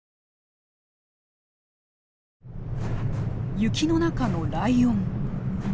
雪の中のライオン。